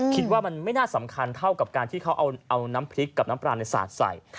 คิดว่ามันไม่น่าสำคัญเท่ากับการที่เขาเอาน้ำพริกกับน้ำปลาในสาดใส่